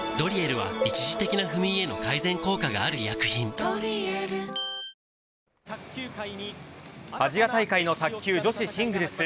ペイトクアジア大会の卓球女子シングルス。